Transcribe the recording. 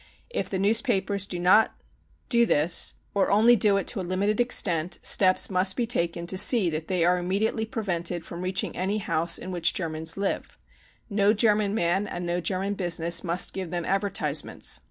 If the newspapers do not Co THE PERSECUTION OF JEWS 2§7 this or only do it to a limited extent steps must be taken to see that they are immediately prevented from reaching any house in which Germans live. No German man and no German business must give them advertisements.